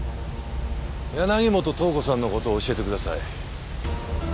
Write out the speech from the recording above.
柳本塔子さんの事を教えてください。